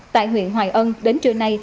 tại huyện hoài ân đến trưa nay